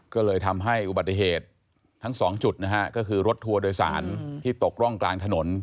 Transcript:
ก็เลยทำให้อุบัติเหตุทั้งสองจุดนะฮะก็คือรถทัวร์โดยสารที่ตกร่องกลางถนน